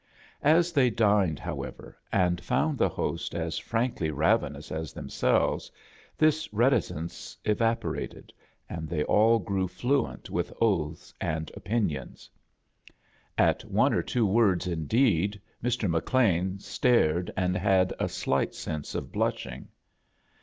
As they dined, however, and found tlie host as frankly ravenous as themselves, this reticence evaporated, and they all grew fluent with oaths and opinions. At S4 A JOURNEY IN SEARCH OF CHRISTMAS one or two words, indeed, Mr. McLean stared and bad a slight sense of blushins.